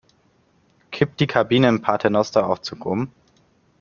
Kippt die Kabine im Paternosteraufzug um?